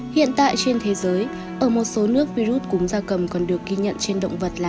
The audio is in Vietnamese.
hiện tại trên thế giới ở một số nước virus cúm da cầm còn được ghi nhận trên động vật là